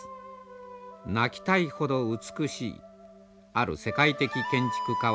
「泣きたいほど美しい」ある世界的建築家はそう叫びました。